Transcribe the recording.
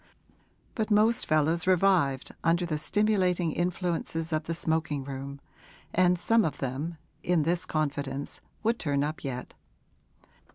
But most fellows revived under the stimulating influences of the smoking room, and some of them, in this confidence, would turn up yet.